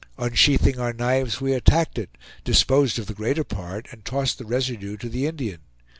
Unsheathing our knives, we attacked it, disposed of the greater part, and tossed the residue to the Indian.